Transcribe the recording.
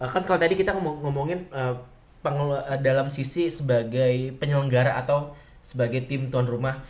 kan kalau tadi kita ngomongin dalam sisi sebagai penyelenggara atau sebagai tim tuan rumah